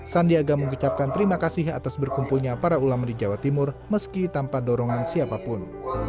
sandiaga mengucapkan terima kasih atas berkumpulnya para ulama di jawa timur meski tanpa dorongan siapapun